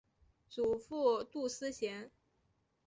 祖父杜思贤。